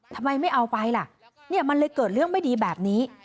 ทำไมไม่เอาไปล่ะเนี่ยมันเลยเกิดเรื่องไม่ดีแบบนี้